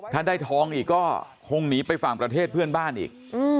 ถ้าได้ทองอีกก็คงหนีไปฝั่งประเทศเพื่อนบ้านอีก